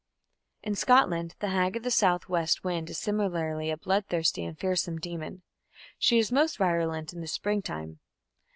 In Scotland the hag of the south west wind is similarly a bloodthirsty and fearsome demon. She is most virulent in the springtime.